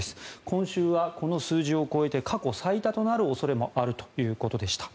今週はこの数字を超えて過去最多となる恐れもあるということでした。